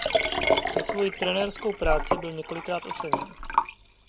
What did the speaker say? Za svoji trenérskou práci byl několikrát oceněn.